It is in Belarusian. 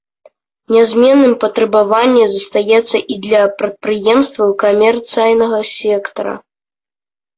Нязменным патрабаванне застаецца і для прадпрыемстваў камерцыйнага сектара.